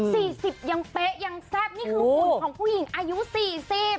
กุลของผู้หญิงอายุสี่สิบ